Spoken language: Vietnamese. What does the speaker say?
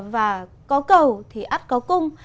và có cầu thì át có cung